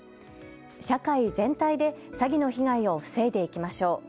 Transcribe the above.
社会全体で詐欺の被害を防いでいきましょう。